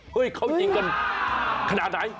เขายิงกันขนาดไหน